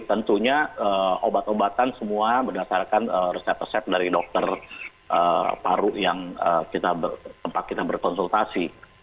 tentunya obat obatan semua berdasarkan resep resep dari dokter paru yang tempat kita berkonsultasi